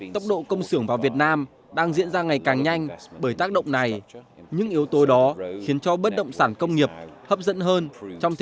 tốc độ công sưởng vào việt nam đang diễn ra mạnh hơn bởi tác động của chiến tranh thương mại mỹ trung